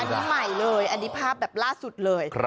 อันนี้ใหม่เลยอันนี้ภาพแบบล่าสุดเลย